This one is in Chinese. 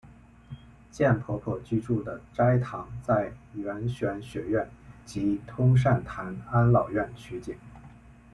贱婆婆居住的斋堂在圆玄学院及通善坛安老院取景。